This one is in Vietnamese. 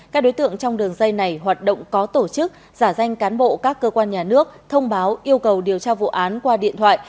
các đối tượng trong đường dây này hoạt động có tổ chức giả danh cán bộ các cơ quan nhà nước thông báo yêu cầu điều tra vụ án qua điện thoại